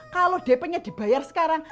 kalau dp nya dibayar sekarang